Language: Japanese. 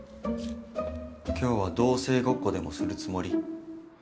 今日は同棲ごっこでもするつもり？